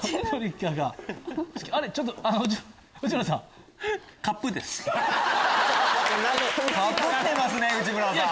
かぷってますね内村さん。